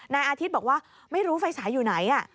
นายอาทิตย์บอกว่าไม่รู้ไฟฉายอยู่ไหน